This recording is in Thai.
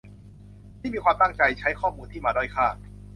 ที่มีความตั้งใจใช้ข้อมูลที่มาด้อยค่า